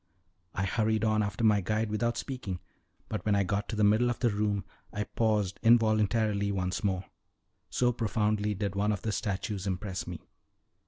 I hurried on after my guide without speaking, but when I got to the middle of the room I paused involuntarily once more, so profoundly did one of the statues impress me.